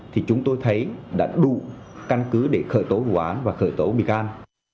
thì chúng tôi thấy đã đủ căn cứ để khởi tố vụ án và khởi tố bị can